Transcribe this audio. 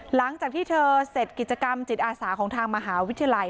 หลังจากที่เธอเสร็จกิจกรรมจิตอาสาของทางมหาวิทยาลัย